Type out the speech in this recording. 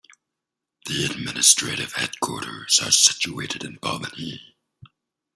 The administrative headquarters are situated in Bovigny.